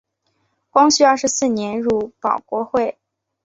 光绪二十四年入保国会。